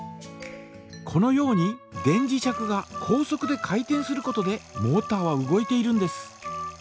このように電磁石が高速で回転することでモータは動いているんです。